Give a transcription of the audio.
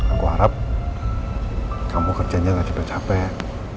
aku harap kamu kerjanya gak juga capek